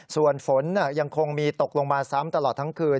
ส่วนฝนยังคงมีตกลงมาซ้ำตลอดทั้งคืน